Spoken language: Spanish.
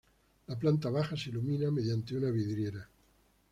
La planta baja se ilumina mediante una vidriera.